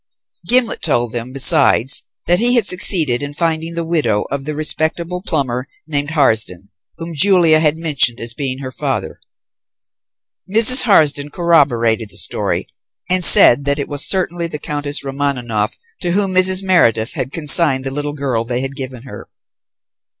Gimblet told them, besides, that he had succeeded in finding the widow of the respectable plumber named Harsden, whom Julia had mentioned as being her father. Mrs. Harsden corroborated the story, and said that it was certainly the Countess Romaninov to whom Mrs. Meredith had consigned the little girl they had given her.